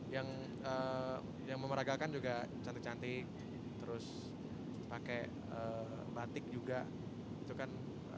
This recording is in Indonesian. yang memeragakan juga cantik cantik terus pakai batik juga itu kan